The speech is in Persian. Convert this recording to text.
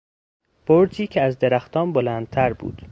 برجی که از درختان بلندتر بود